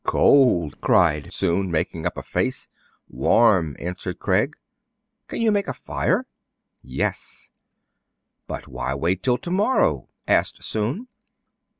" Cold !" cried Soun, making up a face. "Warm !" answered Craig. " Can you make a fire 1 "Yes." " But why wait till to morrow ?" asked Soun.